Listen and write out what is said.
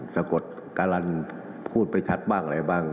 สะกดการันพูดไปชัดบ้างอะไรบ้าง